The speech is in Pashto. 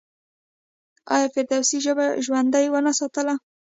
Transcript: آیا فردوسي ژبه ژوندۍ ونه ساتله؟